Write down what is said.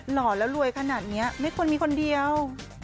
ห่อแล้วรวยขนาดนี้ไม่ควรมีคนเดียว